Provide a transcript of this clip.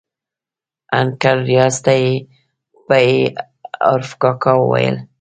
انکل ریاض ته یې په ي عرف کاکا ویل.